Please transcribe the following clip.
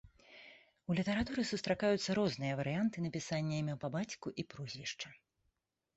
У літаратуры сустракаюцца розныя варыянты напісання імя па бацьку і прозвішча.